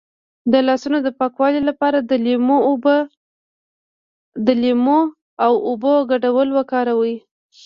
د لاسونو د پاکوالي لپاره د لیمو او اوبو ګډول وکاروئ